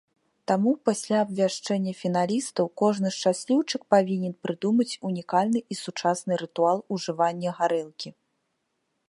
Таму пасля абвяшчэння фіналістаў, кожны шчасліўчык павінен прыдумаць унікальны і сучасны рытуал ужывання гарэлкі.